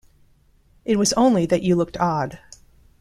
It was only that you looked odd.